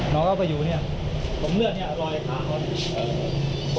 น้องเข้าไปอยู่เนี่ยตรงเลือดเนี่ยรอยขาเขา